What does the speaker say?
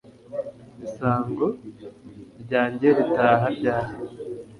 Isango ryanjye ritaha ryari